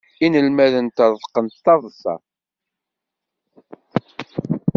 Inalmaden ṭṭreḍqen d taḍsa.